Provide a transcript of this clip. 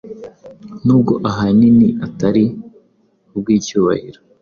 Nubwo ahanini atari kubwicyubahiro